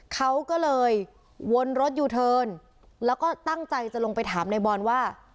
เขาก็เลยวนรถยูเทิร์นแล้วก็ตั้งใจจะลงไปถามในบอลว่า